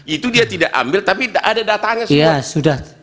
itu dia tidak ambil tapi ada dataannya sudah